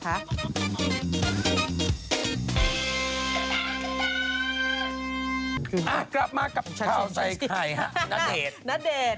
กลับมากับชาวใส่ไข่ฮะณเดชน์